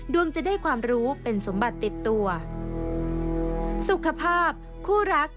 จะได้ความรู้เป็นสมบัติติดตัวสุขภาพคู่รัก